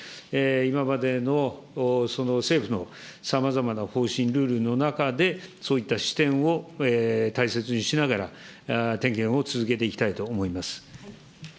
今までのその政府のさまざまな方針、ルールの中で、そういった視点を大切にしながら、点検を続けていきたいと思います。